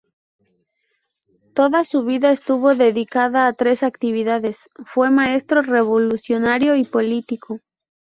Toda su vida estuvo dedicada a tres actividades: fue maestro, revolucionario y político.